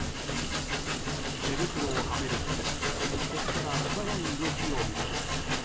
手袋をはめるとここから素早い動きを見せます。